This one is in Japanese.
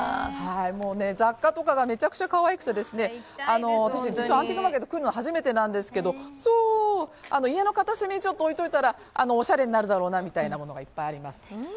雑貨とかがめちゃくちゃかわいくて私、実はアンティークマーケットに来るのは初めてなんですが家の片隅に置いていたらおしゃれになるだろうななんてものがいっぱいあります。